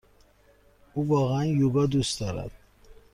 او واقعا یوگا دوست دارد.